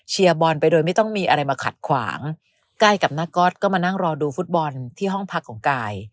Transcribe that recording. บอลไปโดยไม่ต้องมีอะไรมาขัดขวางใกล้กับหน้าก๊อตก็มานั่งรอดูฟุตบอลที่ห้องพักของกาย